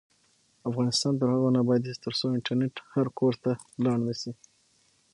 افغانستان تر هغو نه ابادیږي، ترڅو انټرنیټ هر کور ته لاړ نشي.